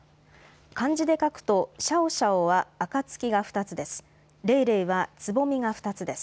漢字で書くとシャオシャオは暁が２つです。